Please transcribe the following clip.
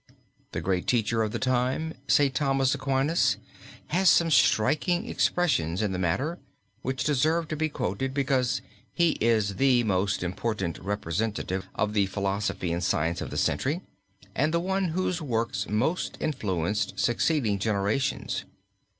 The great teacher of the time, St. Thomas Aquinas, has some striking expressions in the matter, which deserve to be quoted, because he is the most important representative of the philosophy and science of the century and the one whose works most influenced succeeding generations.